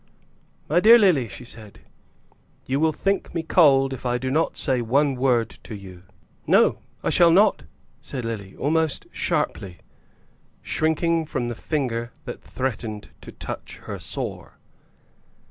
"My dear Lily," she said, "you will think me cold if I do not say one word to you." "No, I shall not," said Lily, almost sharply, shrinking from the finger that threatened to touch her sore.